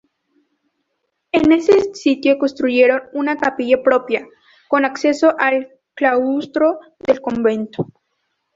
En este sitio construyeron una capilla propia, con acceso al claustro del convento.